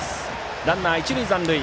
ランナー、一塁残塁。